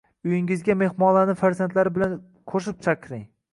uyingizga mehmonlarni farzandlari bilan qo‘shib chaqiring